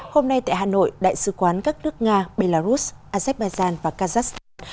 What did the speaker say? hôm nay tại hà nội đại sứ quán các nước nga belarus azerbaijan và kazakhstan